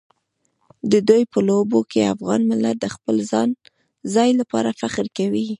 د دوی په لوبو کې افغان ملت د خپل ځای لپاره فخر کوي.